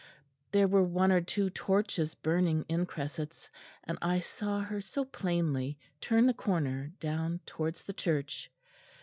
There were one or two torches burning in cressets, and I saw her so plainly turn the corner down towards the church.